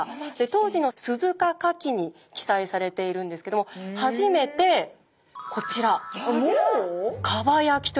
当時の「鈴鹿家記」に記載されているんですけども初めてこちら。